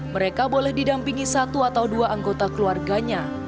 mereka boleh didampingi satu atau dua anggota keluarganya